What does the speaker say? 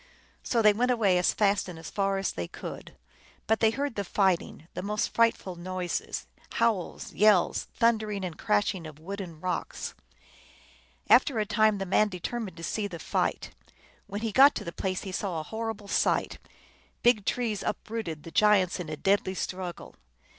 So they went away as fast and as far as they could, but they heard the fighting, the most frightful noises, howls, yells, thundering and crashing of wood and rocks. After a time the man determined to see the fight. When he got to the place he saw a horrible sight: big trees uprooted, the giants in a deadly struggle.